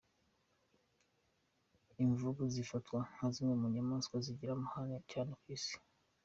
Imvubu zifatwa nka zimwe mu nyamaswa zigira amahane cyane ku isi.